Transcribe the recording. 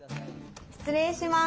失礼します。